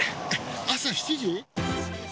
朝７時？